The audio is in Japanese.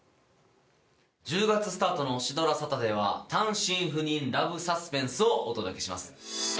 １０月スタートのオシドラサタデーは単身赴任ラブサスペンスをお届けします。